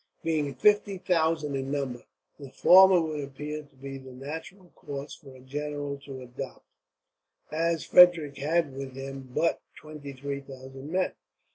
Being fifty thousand in number, the former would appear to be the natural course for a general to adopt; as Frederick had with him but twenty three thousand men.